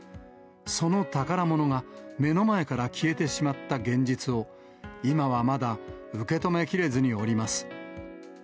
その宝物が目の前から消えてしまった現実を、今はまだ受け止めきれずにおります。